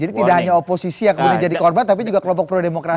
tidak hanya oposisi yang kemudian jadi korban tapi juga kelompok pro demokrasi